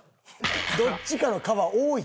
どっちかの「川」多い！